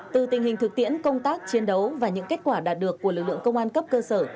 từ tình hình thực tiễn công tác chiến đấu và những kết quả đạt được của lực lượng công an cấp cơ sở